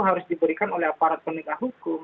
harus diberikan oleh aparat penegak hukum